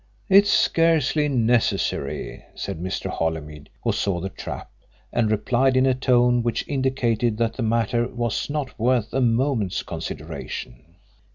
"It's scarcely necessary," said Mr. Holymead, who saw the trap, and replied in a tone which indicated that the matter was not worth a moment's consideration.